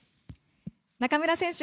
中村選手